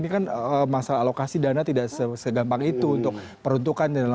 ini kan masalah alokasi dana tidak sedampak itu untuk peruntukan dalam waktu yang patuh